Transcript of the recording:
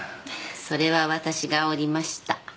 それは私が折りました。